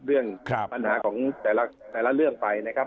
เรื่องปัญหาของแต่ละเรื่องไปนะครับ